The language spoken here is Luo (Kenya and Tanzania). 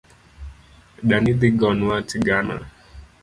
Dani dhi gonwa sigana